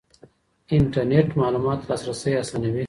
انټرنېټ معلوماتو ته لاسرسی اسانوي.